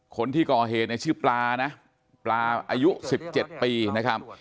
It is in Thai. คนที่ก่อเหตุเนี่ยชื่อปลานะปลาอายุ๑๗ปีนะครับ